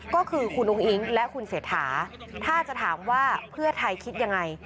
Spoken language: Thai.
ก็คือคุณอุ้งอิ๊งและคุณเศรษฐาถ้าจะถามว่าเพื่อไทยคิดยังไง